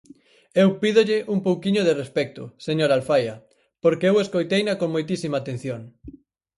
Eu pídolle un pouquiño de respecto, señora Alfaia, porque eu escoiteina con moitísima atención.